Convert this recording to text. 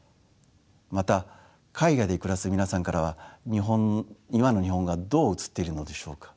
また海外で暮らす皆さんからは今の日本がどう映っているのでしょうか？